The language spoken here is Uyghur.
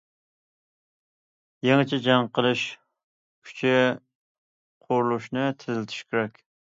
يېڭىچە جەڭ قىلىش كۈچى قۇرۇلۇشىنى تېزلىتىش كېرەك.